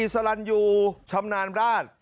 สลันยูชำนาญราช